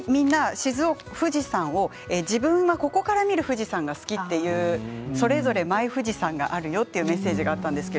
みんな、ここから見る富士山が好きというそれぞれマイ富士山があるというメッセージがありました。